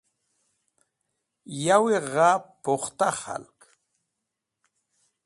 Yawi gha pukhta khalg